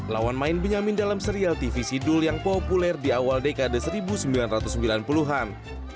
lawan main benyamin dalam serial tv sidul yang populer di awal dekade seribu sembilan ratus sembilan puluh an